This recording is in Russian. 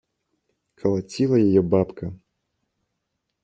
Колотила ее бабка.